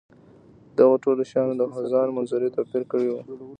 دغو ټولو شیانو د خزان منظرې توپیر کړی وو.